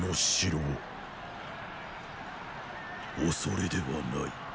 “畏れ”ではない。